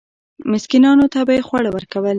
مسکینانو ته به یې خواړه ورکول.